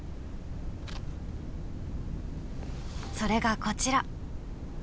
それがこちら。